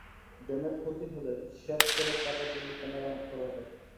ড্যামের ক্ষতি হলে সেচ করের টাকা দিয়েই তা মেরামত করার কথা।